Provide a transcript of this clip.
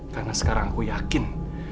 karena sekarang aku yakin